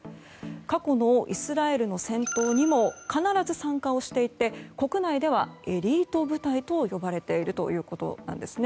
過去のイスラエルの戦闘にも必ず参加をしていて国内ではエリート部隊と呼ばれているということです。